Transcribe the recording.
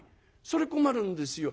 それ困るんですよ。